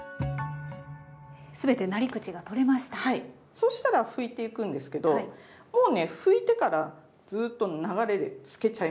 そしたら拭いていくんですけどもうね拭いてからずっと流れで漬けちゃいます。